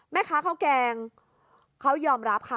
แม่ค้าข้าวแกงเขายอมรับค่ะ